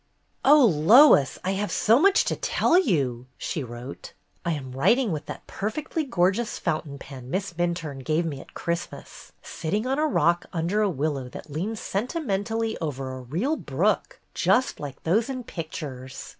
"Oh, Lois, I have so much to tell you [she wrote]. "I am writing with that perfectly gorgeous fountain pen Miss Minturne gave me at Christmas, sitting on a rock under a willow that leans sentimentally over a real brook, just like those in pictures.